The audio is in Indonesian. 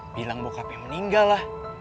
bilang bokapnya meninggal lah